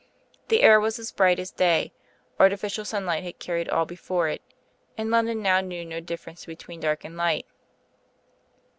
The air was as bright as day; artificial sunlight had carried all before it, and London now knew no difference between dark and light.